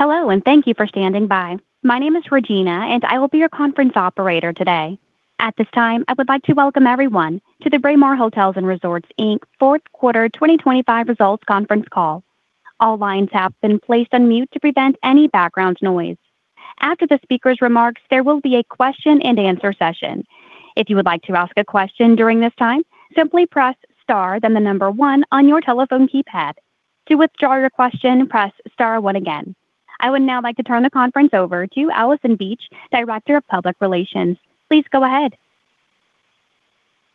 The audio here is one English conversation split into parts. Hello, and thank you for standing by. My name is Regina, and I will be your conference operator today. At this time, I would like to welcome everyone to the Braemar Hotels & Resorts, Inc. Fourth Quarter 2025 Results Conference Call. All lines have been placed on mute to prevent any background noise. After the speaker's remarks, there will be a question and answer session. If you would like to ask a question during this time, simply press Star, then the number 1 on your telephone keypad. To withdraw your question, press Star 1 again. I would now like to turn the conference over to Allison Beach, Director of Investor Relations. Please go ahead.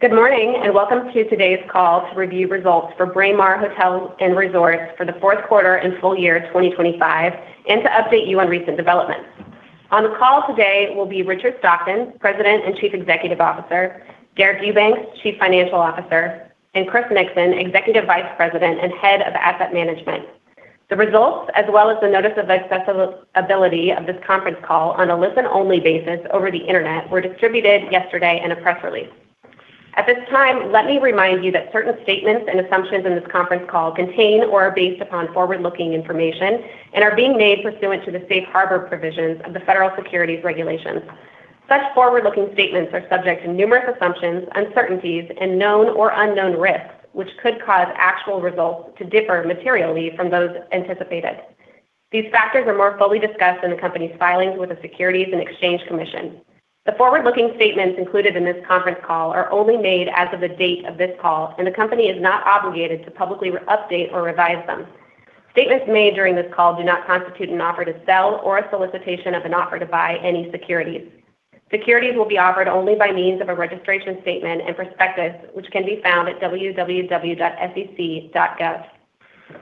Good morning. Welcome to today's call to review results for Braemar Hotels & Resorts for the fourth quarter and full year 2025, to update you on recent developments. On the call today will be Richard Stockton, President and Chief Executive Officer, Deric Eubanks, Chief Financial Officer, Chris Nixon, Executive Vice President and Head of Asset Management. The results, as well as the notice of accessibility of this conference call on a listen-only basis over the Internet, were distributed yesterday in a press release. At this time, let me remind you that certain statements and assumptions in this conference call contain or are based upon forward-looking information and are being made pursuant to the safe harbor provisions of the Federal Securities regulations. Such forward-looking statements are subject to numerous assumptions, uncertainties, and known or unknown risks, which could cause actual results to differ materially from those anticipated. These factors are more fully discussed in the company's filings with the Securities and Exchange Commission. The forward-looking statements included in this conference call are only made as of the date of this call, and the company is not obligated to publicly update or revise them. Statements made during this call do not constitute an offer to sell or a solicitation of an offer to buy any securities. Securities will be offered only by means of a registration statement and prospectus, which can be found at www.sec.gov.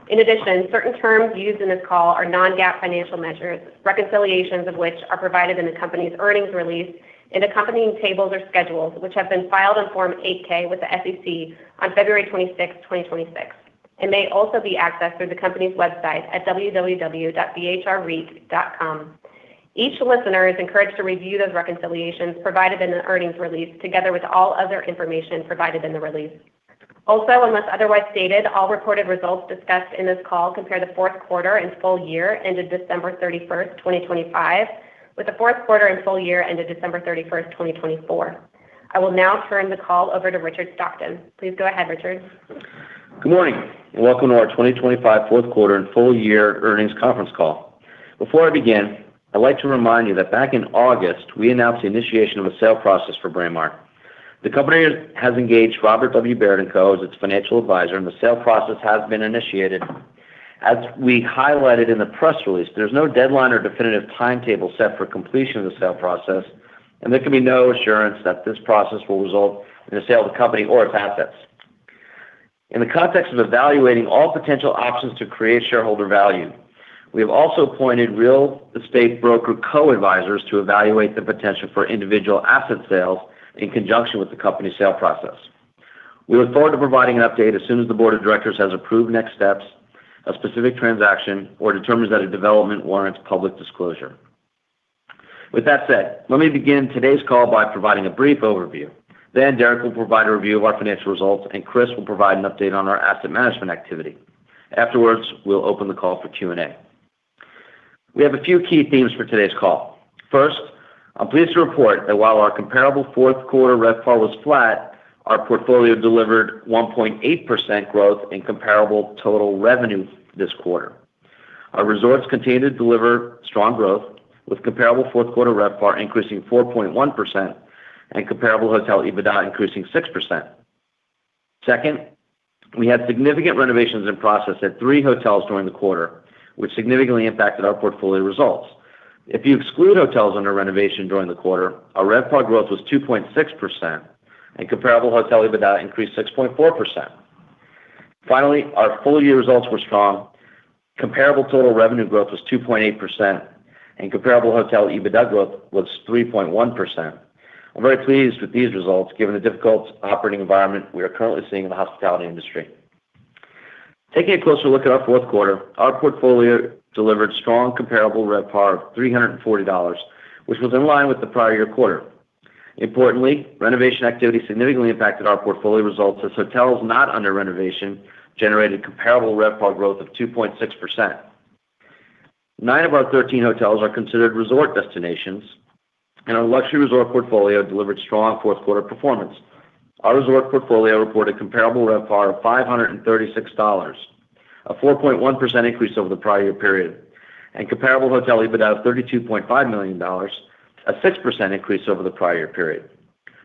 In addition, certain terms used in this call are non-GAAP financial measures, reconciliations of which are provided in the company's earnings release in accompanying tables or schedules, which have been filed on Form 8-K with the SEC on February 26th, 2026, and may also be accessed through the company's website at www.bhrreit.com. Each listener is encouraged to review those reconciliations provided in the earnings release, together with all other information provided in the release. Unless otherwise stated, all reported results discussed in this call compare the fourth quarter and full year ended December 31st, 2025, with the fourth quarter and full year ended December 31st, 2024. I will now turn the call over to Richard Stockton. Please go ahead, Richard. Good morning, and welcome to our 2025 fourth quarter and full year earnings conference call. Before I begin, I'd like to remind you that back in August, we announced the initiation of a sale process for Braemar. The company has engaged Robert W. Baird & Co. as its financial advisor, and the sale process has been initiated. As we highlighted in the press release, there's no deadline or definitive timetable set for completion of the sale process, and there can be no assurance that this process will result in the sale of the company or its assets. In the context of evaluating all potential options to create shareholder value, we have also appointed real estate broker co-advisors to evaluate the potential for individual asset sales in conjunction with the company's sale process. Let me begin today's call by providing a brief overview. Deric will provide a review of our financial results, and Chris will provide an update on our asset management activity. Afterwards, we'll open the call for Q&A. We have a few key themes for today's call. First, I'm pleased to report that while our comparable fourth quarter RevPAR was flat, our portfolio delivered 1.8% growth in comparable total revenue this quarter. Our resorts continued to deliver strong growth, with comparable fourth quarter RevPAR increasing 4.1% and comparable Hotel EBITDA increasing 6%. Second, we had significant renovations in process at three hotels during the quarter, which significantly impacted our portfolio results. If you exclude hotels under renovation during the quarter, our RevPAR growth was 2.6%, and comparable Hotel EBITDA increased 6.4%. Our full-year results were strong. Comparable total revenue growth was 2.8%, and comparable Hotel EBITDA growth was 3.1%. I'm very pleased with these results, given the difficult operating environment we are currently seeing in the hospitality industry. Taking a closer look at our fourth quarter, our portfolio delivered strong comparable RevPAR of $340, which was in line with the prior year quarter. Importantly, renovation activity significantly impacted our portfolio results, as hotels not under renovation generated comparable RevPAR growth of 2.6%. Nine of our 13 hotels are considered resort destinations, and our luxury resort portfolio delivered strong fourth quarter performance. Our resort portfolio reported comparable RevPAR of $536, a 4.1% increase over the prior year period, and comparable Hotel EBITDA of $32.5 million, a 6% increase over the prior period.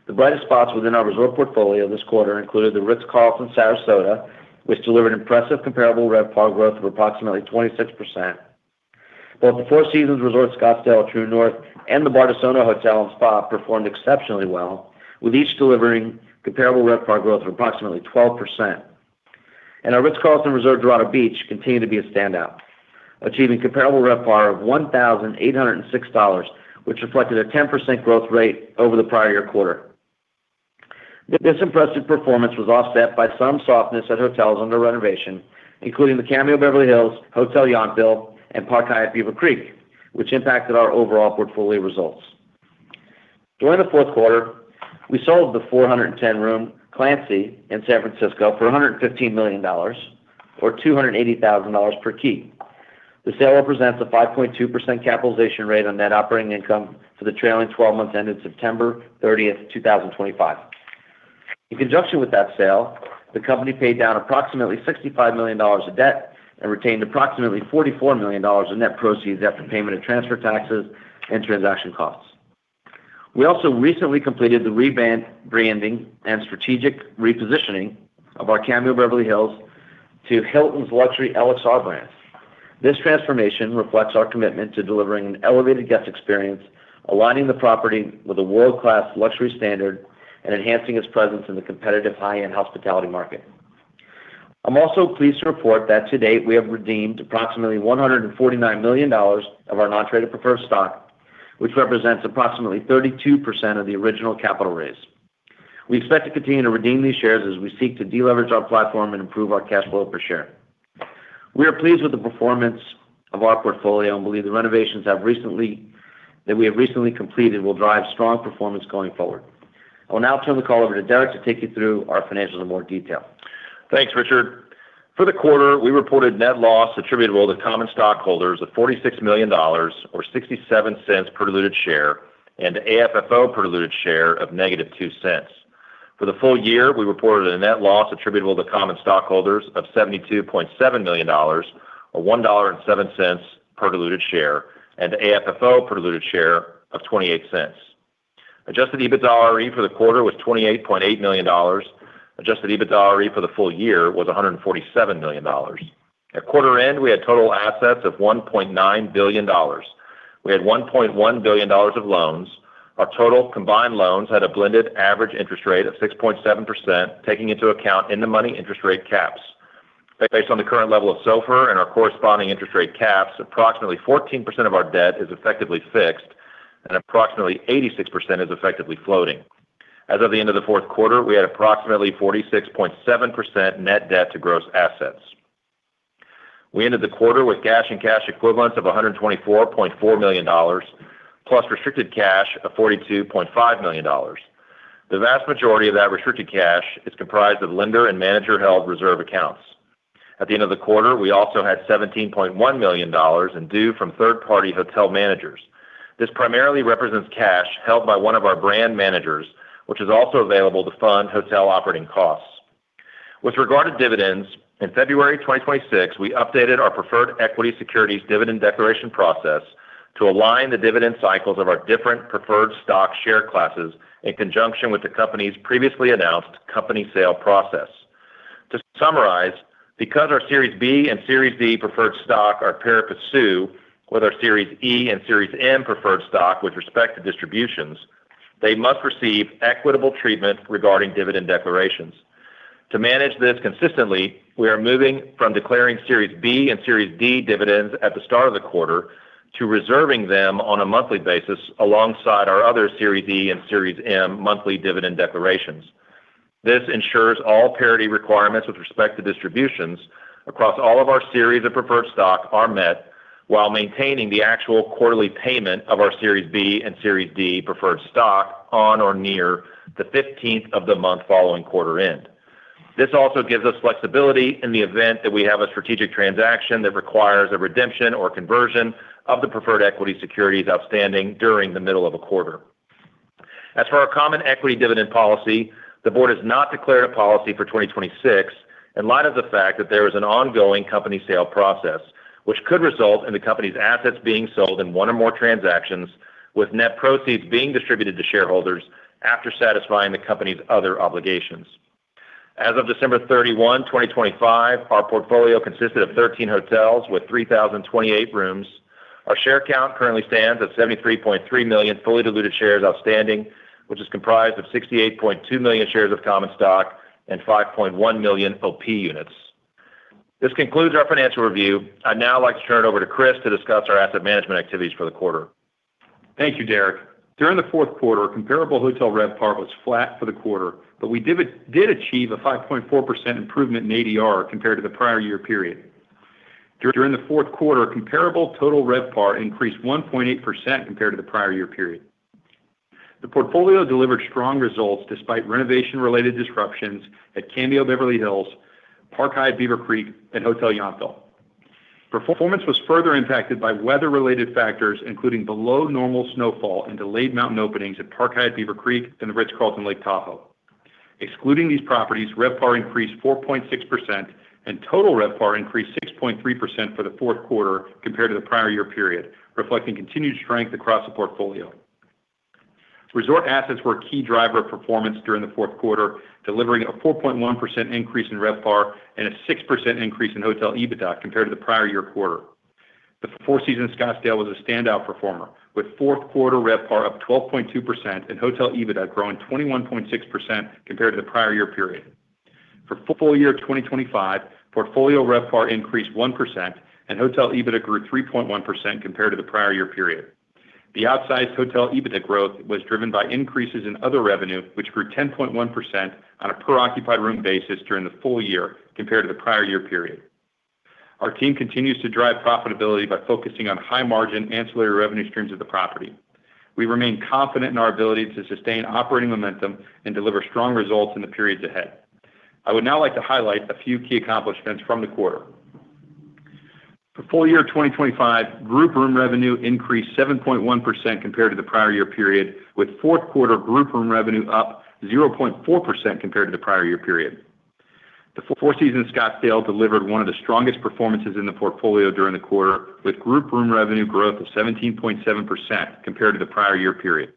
The brightest spots within our resort portfolio this quarter included The Ritz-Carlton, Sarasota, which delivered impressive comparable RevPAR growth of approximately 26%. Both the Four Seasons Resort Scottsdale at Troon North and the Bardessono Hotel and Spa performed exceptionally well, with each delivering comparable RevPAR growth of approximately 12%. Our Dorado Beach, a Ritz-Carlton Reserve, continued to be a standout, achieving comparable RevPAR of $1,806, which reflected a 10% growth rate over the prior year quarter. This impressive performance was offset by some softness at hotels under renovation, including the Cameo Beverly Hills, Hotel Yountville, and Park Hyatt Beaver Creek, which impacted our overall portfolio results. During the fourth quarter, we sold the 410 room Clancy in San Francisco for $115 million, or $280,000 per key. The sale represents a 5.2% capitalization rate on net operating income for the trailing 12 months, ending September 30, 2025. In conjunction with that sale, the company paid down approximately $65 million of debt and retained approximately $44 million in net proceeds after payment of transfer taxes and transaction costs. We also recently completed the rebranding and strategic repositioning of our Cameo Beverly Hills to Hilton's luxury LXR brand. This transformation reflects our commitment to delivering an elevated guest experience, aligning the property with a world-class luxury standard, and enhancing its presence in the competitive high-end hospitality market. I'm also pleased to report that to date, we have redeemed approximately $149 million of our non-traded preferred stock, which represents approximately 32% of the original capital raise. We expect to continue to redeem these shares as we seek to deleverage our platform and improve our cash flow per share. We are pleased with the performance of our portfolio and believe the renovations that we have recently completed will drive strong performance going forward. I will now turn the call over to Deric to take you through our financials in more detail. Thanks, Richard. For the quarter, we reported net loss attributable to common stockholders of $46 million, or $0.67 per diluted share, and AFFO per diluted share of -$0.02. For the full year, we reported a net loss attributable to common stockholders of $72.7 million, or $1.07 per diluted share, and AFFO per diluted share of $0.28. Adjusted EBITDAre for the quarter was $28.8 million. Adjusted EBITDAre for the full year was $147 million. At quarter end, we had total assets of $1.9 billion. We had $1.1 billion of loans. Our total combined loans had a blended average interest rate of 6.7%, taking into account in-the-money interest rate caps. Based on the current level of SOFR and our corresponding interest rate caps, approximately 14% of our debt is effectively fixed and approximately 86% is effectively floating. As of the end of the fourth quarter, we had approximately 46.7% net debt to gross assets. We ended the quarter with cash and cash equivalents of $124.4 million, plus restricted cash of $42.5 million. The vast majority of that restricted cash is comprised of lender and manager-held reserve accounts. At the end of the quarter, we also had $17.1 million in due from third-party hotel managers. This primarily represents cash held by one of our brand managers, which is also available to fund hotel operating costs. With regard to dividends, in February 2026, we updated our preferred equity securities dividend declaration process to align the dividend cycles of our different preferred stock share classes, in conjunction with the company's previously announced company sale process. To summarize, because our Series B and Series D preferred stock are pari passu with our Series E and Series M preferred stock with respect to distributions, they must receive equitable treatment regarding dividend declarations. To manage this consistently, we are moving from declaring Series B and Series D dividends at the start of the quarter to reserving them on a monthly basis, alongside our other Series E and Series M monthly dividend declarations. This ensures all parity requirements with respect to distributions across all of our series of preferred stock are met, while maintaining the actual quarterly payment of our Series B and Series D preferred stock on or near the 15th of the month following quarter end. This also gives us flexibility in the event that we have a strategic transaction that requires a redemption or conversion of the preferred equity securities outstanding during the middle of a quarter. As for our common equity dividend policy, the board has not declared a policy for 2026, in light of the fact that there is an ongoing company sale process, which could result in the company's assets being sold in 1 or more transactions, with net proceeds being distributed to shareholders after satisfying the company's other obligations. As of December 31, 2025, our portfolio consisted of 13 hotels with 3,028 rooms. Our share count currently stands at 73.3 million fully diluted shares outstanding, which is comprised of 68.2 million shares of common stock and 5.1 million OP units. This concludes our financial review. I'd now like to turn it over to Chris to discuss our asset management activities for the quarter. Thank you, Deric. During the fourth quarter, comparable hotel RevPAR was flat for the quarter, We did achieve a 5.4% improvement in ADR compared to the prior year period. During the fourth quarter, comparable Total RevPAR increased 1.8% compared to the prior year period. The portfolio delivered strong results despite renovation-related disruptions at Cameo Beverly Hills, Park Hyatt Beaver Creek, and Hotel Yountville. Performance was further impacted by weather-related factors, including below normal snowfall and delayed mountain openings at Park Hyatt Beaver Creek and The Ritz-Carlton, Lake Tahoe. Excluding these properties, RevPAR increased 4.6%, and Total RevPAR increased 6.3% for the fourth quarter compared to the prior year period, reflecting continued strength across the portfolio. Resort assets were a key driver of performance during the fourth quarter, delivering a 4.1% increase in RevPAR and a 6% increase in Hotel EBITDA compared to the prior year quarter. The Four Seasons Scottsdale was a standout performer, with fourth quarter RevPAR up 12.2% and Hotel EBITDA growing 21.6% compared to the prior year period. For full year 2025, portfolio RevPAR increased 1%, and Hotel EBITDA grew 3.1% compared to the prior year period. The outsized Hotel EBITDA growth was driven by increases in other revenue, which grew 10.1% on a per occupied room basis during the full year compared to the prior year period. Our team continues to drive profitability by focusing on high margin ancillary revenue streams of the property. We remain confident in our ability to sustain operating momentum and deliver strong results in the periods ahead. I would now like to highlight a few key accomplishments from the quarter. For full year 2025, group room revenue increased 7.1% compared to the prior year period, with fourth quarter group room revenue up 0.4% compared to the prior year period. The Four Seasons Scottsdale delivered one of the strongest performances in the portfolio during the quarter, with group room revenue growth of 17.7% compared to the prior year period.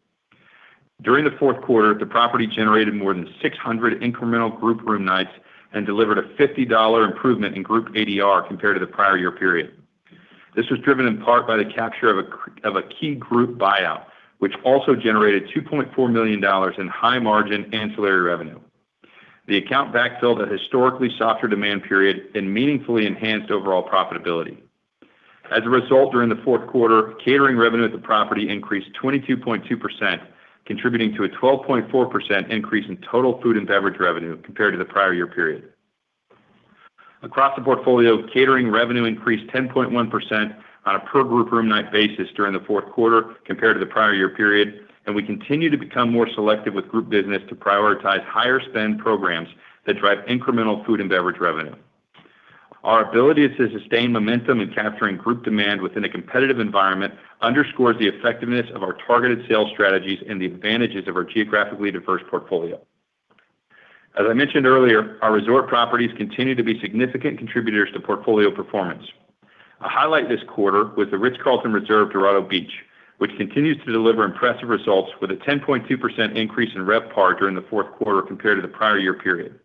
During the fourth quarter, the property generated more than 600 incremental group room nights and delivered a $50 improvement in group ADR compared to the prior year period. This was driven in part by the capture of a of a key group buyout, which also generated $2.4 million in high margin ancillary revenue. The account backfilled a historically softer demand period and meaningfully enhanced overall profitability. As a result, during the fourth quarter, catering revenue at the property increased 22.2%, contributing to a 12.4% increase in total food and beverage revenue compared to the prior year period. Across the portfolio, catering revenue increased 10.1% on a per group room night basis during the fourth quarter compared to the prior year period. We continue to become more selective with group business to prioritize higher spend programs that drive incremental food and beverage revenue. Our ability to sustain momentum in capturing group demand within a competitive environment underscores the effectiveness of our targeted sales strategies and the advantages of our geographically diverse portfolio. As I mentioned earlier, our resort properties continue to be significant contributors to portfolio performance. A highlight this quarter was The Ritz-Carlton Reserve, Dorado Beach, which continues to deliver impressive results with a 10.2% increase in RevPAR during the fourth quarter compared to the prior year period.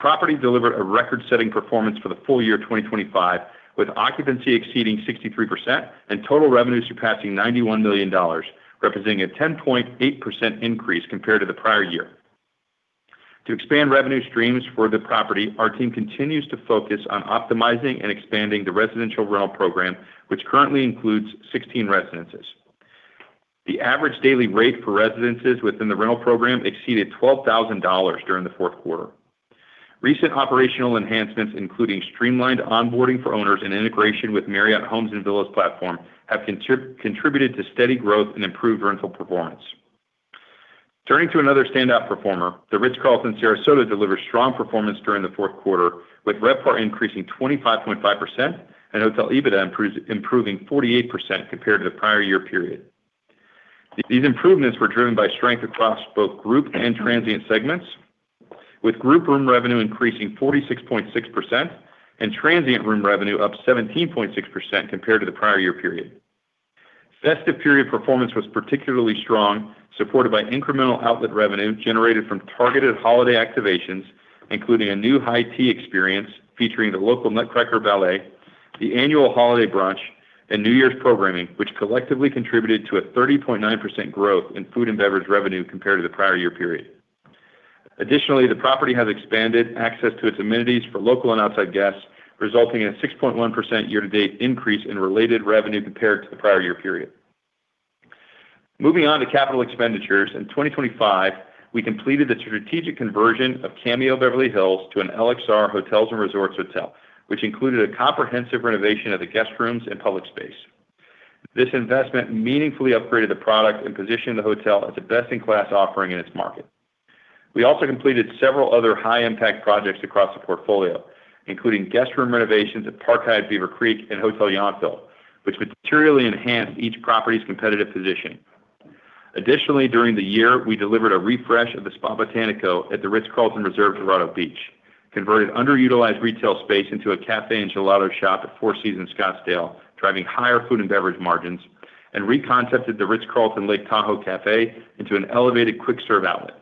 Property delivered a record-setting performance for the full year 2025, with occupancy exceeding 63% and total revenue surpassing $91 million, representing a 10.8% increase compared to the prior year. To expand revenue streams for the property, our team continues to focus on optimizing and expanding the residential rental program, which currently includes 16 residences. The average daily rate for residences within the rental program exceeded $12,000 during the fourth quarter. Recent operational enhancements, including streamlined onboarding for owners and integration with Marriott Homes and Villas platform, have contributed to steady growth and improved rental performance. Turning to another standout performer, The Ritz-Carlton, Sarasota delivered strong performance during the fourth quarter, with RevPAR increasing 25.5% and Hotel EBITDA improving 48% compared to the prior year period. These improvements were driven by strength across both group and transient segments, with group room revenue increasing 46.6% and transient room revenue up 17.6% compared to the prior year period. Festive period performance was particularly strong, supported by incremental outlet revenue generated from targeted holiday activations, including a new high tea experience featuring the local Nutcracker Ballet, the annual holiday brunch, and New Year's programming, which collectively contributed to a 30.9% growth in food and beverage revenue compared to the prior year period. Additionally, the property has expanded access to its amenities for local and outside guests, resulting in a 6.1% year-to-date increase in related revenue compared to the prior year period. Moving on to capital expenditures. In 2025, we completed the strategic conversion of Cameo Beverly Hills to an LXR Hotels & Resorts Hotel, which included a comprehensive renovation of the guest rooms and public space. This investment meaningfully upgraded the product and positioned the hotel as a best-in-class offering in its market. We also completed several other high-impact projects across the portfolio, including guest room renovations at Park Hyatt Beaver Creek and Hotel Yountville, which materially enhanced each property's competitive position. Additionally, during the year, we delivered a refresh of the Spa Botánico at The Ritz-Carlton Reserve, Dorado Beach, converted underutilized retail space into a cafe and gelato shop at Four Seasons Scottsdale, driving higher food and beverage margins, and re-concepted The Ritz-Carlton, Lake Tahoe Cafe into an elevated quick-serve outlet.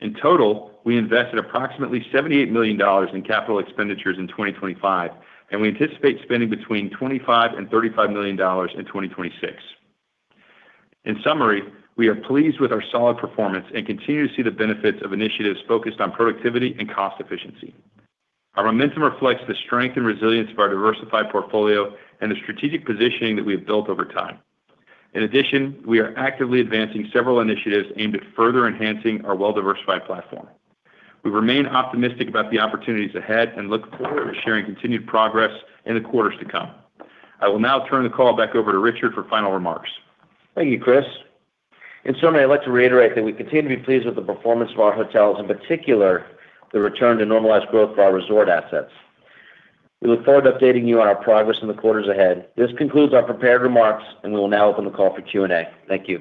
In total, we invested approximately $78 million in capital expenditures in 2025, and we anticipate spending between $25 million and $35 million in 2026. In summary, we are pleased with our solid performance and continue to see the benefits of initiatives focused on productivity and cost efficiency. Our momentum reflects the strength and resilience of our diversified portfolio and the strategic positioning that we've built over time. In addition, we are actively advancing several initiatives aimed at further enhancing our well-diversified platform. We remain optimistic about the opportunities ahead and look forward to sharing continued progress in the quarters to come. I will now turn the call back over to Richard for final remarks. Thank you, Chris. In summary, I'd like to reiterate that we continue to be pleased with the performance of our hotels, in particular, the return to normalized growth for our resort assets. We look forward to updating you on our progress in the quarters ahead. This concludes our prepared remarks, and we will now open the call for Q&A. Thank you.